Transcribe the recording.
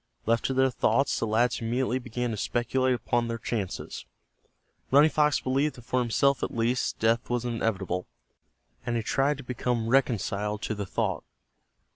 Left to their thoughts, the lads immediately began to speculate upon their chances. Running Fox believed that for himself at least death was inevitable, and he tried to become reconciled to the thought.